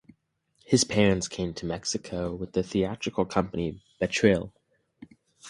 His parents came to Mexico with the theatrical company "Betril".